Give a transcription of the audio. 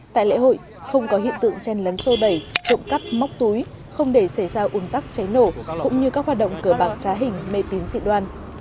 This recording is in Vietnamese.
tại lễ hội không có hiện tượng chen lấn sô đẩy trộm cắp móc túi không để xảy ra un tắc cháy nổ cũng như các hoạt động cờ bạc trá hình mê tín dị đoan